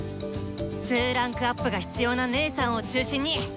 ２ランクアップが必要な姐さんを中心に！